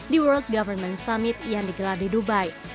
di world government summit yang digelar di dubai